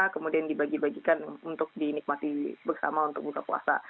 kemudian dibagi bagikan untuk dinikmati bersama untuk buka puasa